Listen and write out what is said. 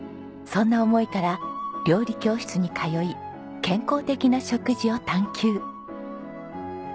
そんな思いから料理教室に通い健康的な食事を探求。